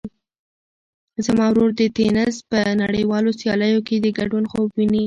زما ورور د تېنس په نړیوالو سیالیو کې د ګډون خوب ویني.